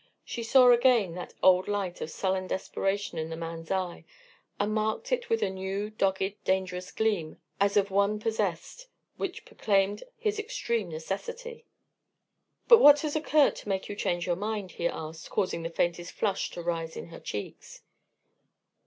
She saw again that old light of sullen desperation in the man's eye, and marked with it a new, dogged, dangerous gleam as of one possessed, which proclaimed his extreme necessity. "But what has occurred to make you change your mind?" he asked, causing the faintest flush to rise in her cheeks.